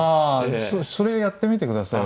それやってみてください。